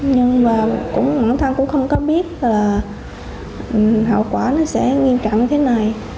nhưng mà quán thắng cũng không có biết là hậu quả nó sẽ nghiêm trọng như thế này